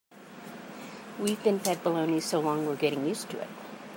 We've been fed baloney so long we're getting used to it.